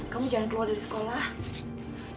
kamu jangan keluar dari sekolah